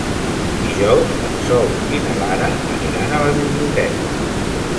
Dijous en Sol i na Lara aniran a la biblioteca.